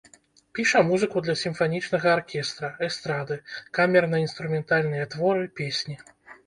Піша музыку для сімфанічнага аркестра, эстрады, камерна-інструментальныя творы, песні.